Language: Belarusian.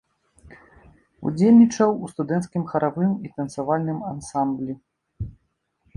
Удзельнічаў у студэнцкім харавым і танцавальным ансамблі.